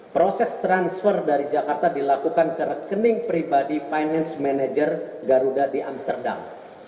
proses transfer dari jakarta dilakukan ke rekening pribadi finance manager garuda di amsterdam